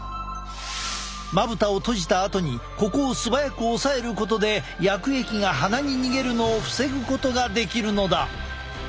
まぶたを閉じたあとにここをすばやく押さえることで薬液が鼻に逃げるのを防ぐことができるのだ！